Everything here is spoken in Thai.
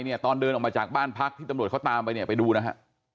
ตอนเดินออกมาจากบ้านพักที่ตำรวจเขาตามไปเนี่ยไปดูนะฮะ